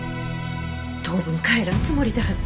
当分帰らんつもりだはず。